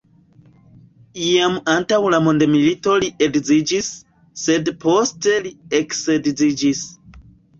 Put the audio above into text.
Jam antaŭ la mondomilito li edziĝis, sed poste li eksedziĝis.